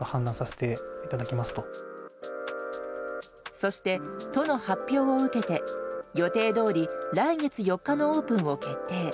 そして、都の発表を受けて予定どおり来月４日のオープンを決定。